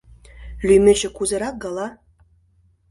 Лӱметше кузерак гала?